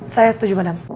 saya setuju mdm